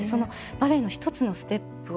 バレエの１つのステップを。